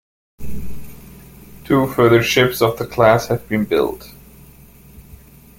Two further ships of the class have been built.